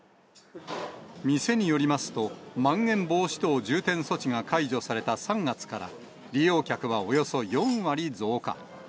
店によりますと、まん延防止等重点措置が解除された３月から、利用客はおよそ４割増加。